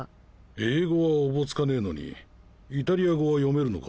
英語はおぼつかねえのにイタリア語は読めるのか？